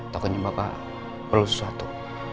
tokonya bapak perlu sesuatu